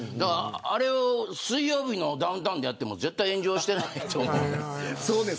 あれを水曜日のダウンタウンでやっても絶対、炎上してないと思う。